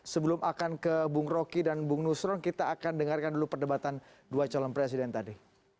sebelum akan ke bung rocky dan bung nusron kita akan dengarkan dulu perdebatan dua calon presiden tadi